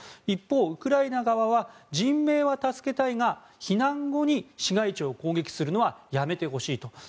一方、ウクライナ側は人名は助けたいが避難後に市街地を攻撃するのはやめてほしいと。